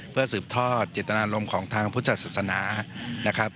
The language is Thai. เพื่อสืบทอดเจตนารมณ์ของทางพุทธศาสนานะครับ